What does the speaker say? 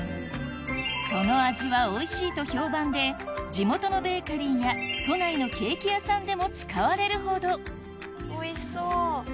その味はおいしいと評判で地元のベーカリーや都内のケーキ屋さんでも使われるほどおいしそう。